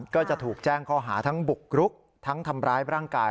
ก็จะถูกแจ้งข้อหาทั้งบุกรุกทั้งทำร้ายร่างกาย